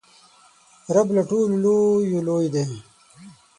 رب له ټولو لویو لوی دئ.